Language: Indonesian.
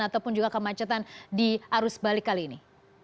ataupun juga kemacetan di arus balik kali ini